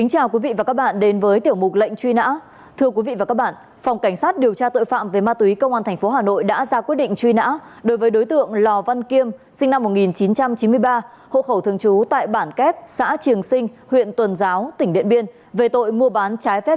hãy đăng ký kênh để ủng hộ kênh của chúng mình nhé